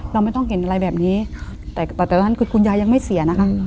เราไม่ต้องเห็นอะไรแบบนี้แต่ตอนนั้นคือคุณยายยังไม่เสียนะคะ